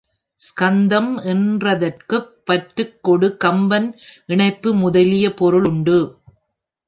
ஸ்கந்தம் என்றதற்குப் பற்றுக்கோடு, கம்பம், இணைப்பு முதலிய பொருள் உண்டு.